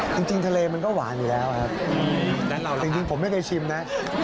จริงทะเลมันก็หวานอยู่แล้วครับจริงผมไม่เคยชิมนะ